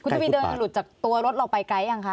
คุณทศวีลเดินหลุดจากตัวรถเราไปไกลหรือยังคะ